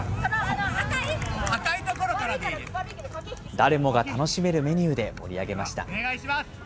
誰もが楽しめるメニューで盛り上げました。